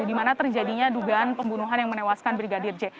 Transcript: dimana terjadinya dugaan pembunuhan yang menewaskan brigadir j